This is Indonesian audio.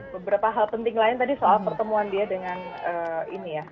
beberapa hal penting lain tadi soal pertemuan dia dengan ini ya